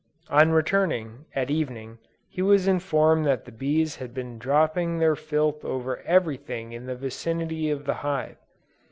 On returning, at evening, he was informed that the bees had been dropping their filth over every thing in the vicinity of the hive.